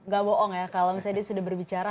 gak bohong ya kalau misalnya dia sudah berbicara